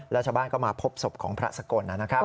ราชบ้านก็มาพบศพของพระศกลนะครับ